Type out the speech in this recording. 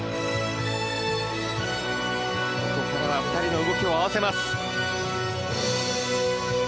ここからは２人の動きを合わせます。